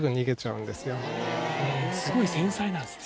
すごい繊細なんですね。